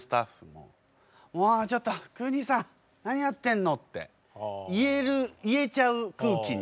「もうちょっと邦さん何やってんの？」って言える言えちゃう空気に。